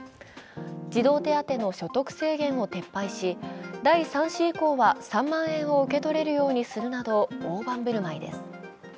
児童手当の所得制限を撤廃し、第３子以降は３万円を受け取れるようにするなど大盤振る舞いです。